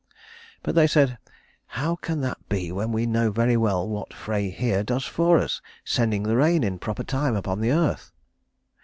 But they said, "How can that be when we know very well what Frey here does for us, sending the rain in proper time upon the earth?"